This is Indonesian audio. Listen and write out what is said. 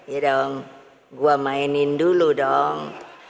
ya dong gue mainin dulu dong